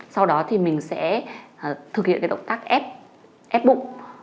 sau đó thì mình sẽ thực hiện cái động tác app bụng